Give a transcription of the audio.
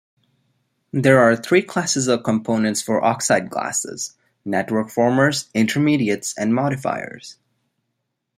There are three classes of components for oxide glasses: network formers, intermediates, and modifiers.